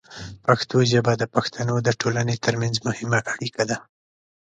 پښتو ژبه د پښتنو د ټولنې ترمنځ مهمه اړیکه ده.